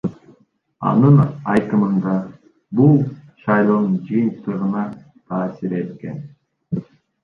Анын айтымында, бул шайлоонун жыйынтыгына таасир эткен.